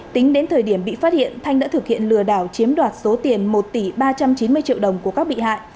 tính đến thời điểm bị phát hiện thanh đã thực hiện lừa đảo chiếm đoạt số tiền một tỷ ba trăm chín mươi triệu đồng của các bị hại